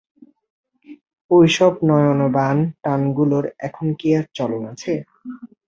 ঐ-সব নয়ন-বাণ-টানগুলোর এখন কি আর চলন আছে?